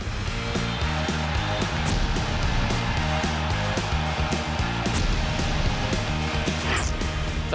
พร้อมครับ